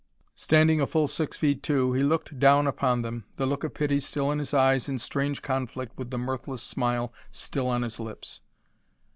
Standing a full six feet two, he looked down upon them, the look of pity still in his eyes in strange conflict with the mirthless smile still on his lips.